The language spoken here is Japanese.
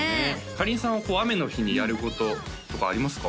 かりんさんは雨の日にやることとかありますか？